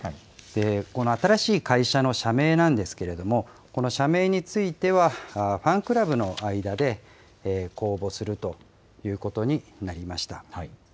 この新しい会社の社名なんですけれども、この社名については、ファンクラブの間で公募するということになりました。